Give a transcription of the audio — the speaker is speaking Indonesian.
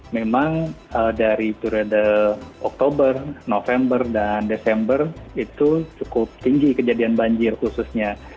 memang dari periode oktober november dan desember itu cukup tinggi kejadian banjir khususnya